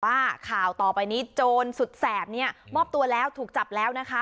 ว่าข่าวต่อไปนี้โจรสุดแสบเนี่ยมอบตัวแล้วถูกจับแล้วนะคะ